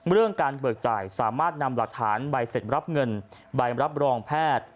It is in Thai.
เรื่องการเบิกจ่ายสามารถนำหลักฐานใบเสร็จรับเงินใบรับรองแพทย์